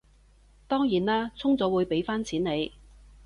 當然啦，充咗會畀返錢你